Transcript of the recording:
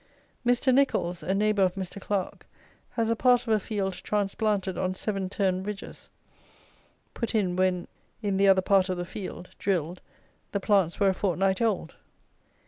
Mr. NICHOLLS, a neighbour of Mr. CLARKE, has a part of a field transplanted on seven turn ridges, put in when in the other part of the field, drilled, the plants were a fortnight old.